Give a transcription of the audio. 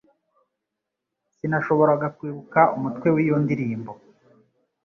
Sinashoboraga kwibuka umutwe w'iyo ndirimbo